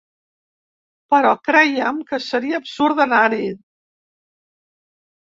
Però creiem que seria absurd d’anar-hi.